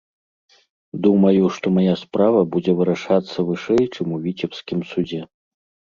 Думаю, што мая справа будзе вырашацца вышэй, чым у віцебскім судзе.